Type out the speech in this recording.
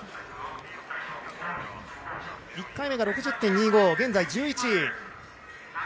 １回目が６０．２５、現在１１位。